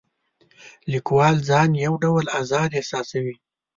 لیکوال ځان یو ډول آزاد احساسوي.